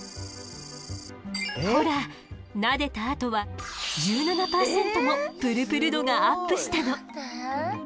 ほらなでたあとは１７％もプルプル度がアップしたの。